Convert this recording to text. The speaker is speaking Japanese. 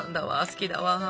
好きだわ。